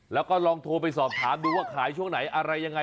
แล้วก็ลองโทรไปสอบถามดูว่าขายช่วงไหนอะไรยังไง